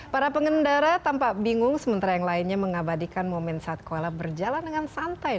para pengendara tampak bingung sementara yang lainnya mengabadikan momen saat kolap berjalan dengan santai